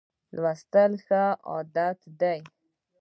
لوستل ښه عادت دی.